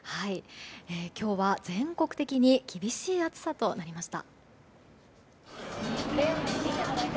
今日は全国的に厳しい暑さとなりました。